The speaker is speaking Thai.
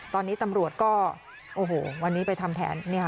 ตอนนี้ตำรวจก็โอ้โหวันนี้ไปทำแทน